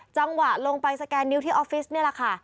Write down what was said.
จังหวะลงไปสแกนนิ้วที่ออฟฟิศนี่แหละค่ะ